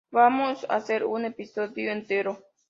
Vamos a hacer un episodio entero.